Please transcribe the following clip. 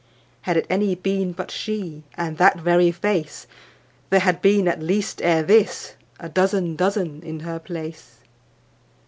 Had it any been but she. And that very face, There had been at least ere this A dozen dozen in her place.